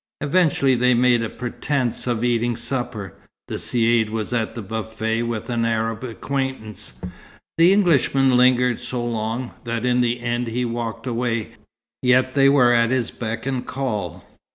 Eventually they made a pretence of eating supper. The caïd was at the buffet with an Arab acquaintance. The Englishmen lingered so long, that in the end he walked away; yet they were at his beck and call.